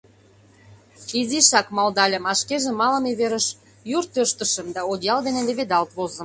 — Изишак! — малдальым, а шкеже малыме верыш юрт тӧрштышым да одеял дене леведалт возым.